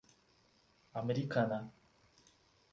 Americana